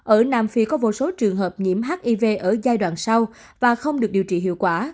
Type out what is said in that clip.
ở nam phi có vô số trường hợp nhiễm hiv ở giai đoạn sau và không được điều trị hiệu quả